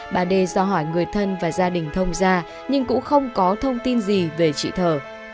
bà đê do hỏi người thân và gia đình thông ra nhưng cũng không có thông tin gì về chị thở